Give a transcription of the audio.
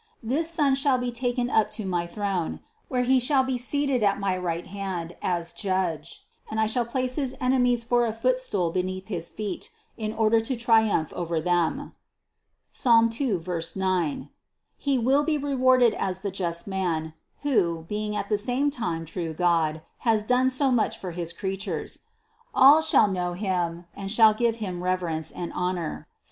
This Son shall be taken up to my throne, where He shall be seated at my right hand as Judge, and I will place his enemies for a footstool beneath his feet in order to triumph over them (Ps. 2, 9). He will be rewarded as the Just man, who, being at the same time true God, has done so much for his creatures; all shall know Him and shall give Him reverence and hon or (Ps.